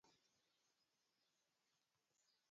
e wiye nenitie gima ochwe gi chupa mane pi opong'o